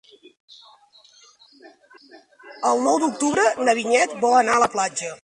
El nou d'octubre na Vinyet vol anar a la platja.